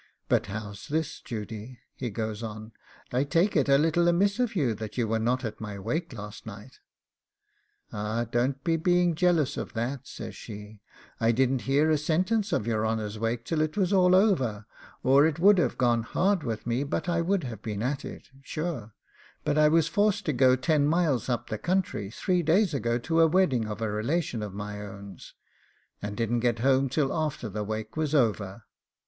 'But how's this, Judy?' he goes on. 'I take it a little amiss of you that you were not at my wake last night.' 'Ah, don't be being jealous of that,' says she; 'I didn't hear a sentence of your honour's wake till it was all over, or it would have gone hard with me but I would have been at it, sure; but I was forced to go ten miles up the country three days ago to a wedding of a relation of my own's, and didn't get home till after the wake was over.